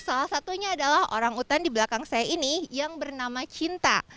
salah satunya adalah orang utan di belakang saya ini yang bernama cinta